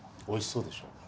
おいしそうでしょ？